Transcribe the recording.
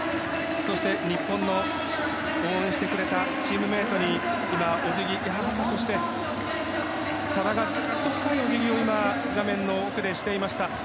そして日本の応援してくれたチームメートに今、お辞儀そして多田がずっと深いお辞儀を画面の奥でしていました。